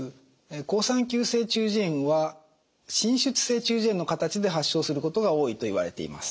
好酸球性中耳炎は滲出性中耳炎の形で発症することが多いといわれています。